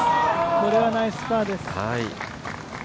これはナイスパーです。